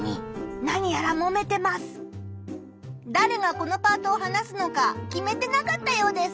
だれがこのパートを話すのか決めてなかったようです。